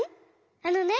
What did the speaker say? あのね